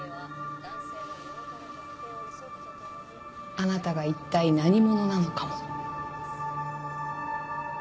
あなたがいったい何者なのかも。